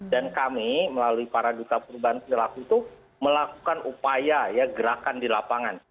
dan kami melalui para duta perubahan perilaku itu melakukan upaya gerakan di lapangan